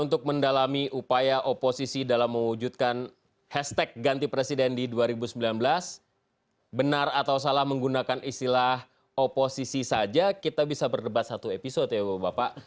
untuk mendalami upaya oposisi dalam mewujudkan hashtag ganti presiden di dua ribu sembilan belas benar atau salah menggunakan istilah oposisi saja kita bisa berdebat satu episode ya bapak